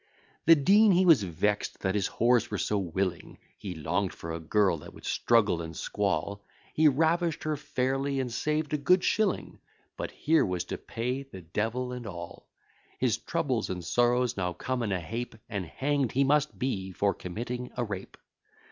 The dean he was vex'd that his whores were so willing; He long'd for a girl that would struggle and squall; He ravish'd her fairly, and saved a good shilling; But here was to pay the devil and all. His troubles and sorrows now come in a heap, And hang'd he must be for committing a rape.